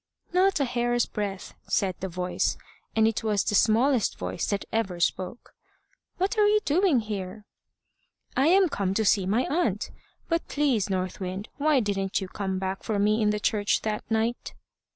"Not a hair's breadth," said the voice, and it was the smallest voice that ever spoke. "What are you doing here?" "I am come to see my aunt. But, please, North Wind, why didn't you come back for me in the church that night?"